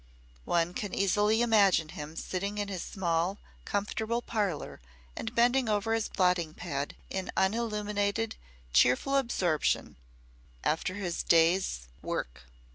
One can easily imagine him, sitting in his small, comfortable parlour and bending over his blotting pad in unilluminated cheerful absorption after his day's work.